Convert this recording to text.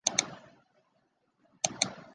原发性血色病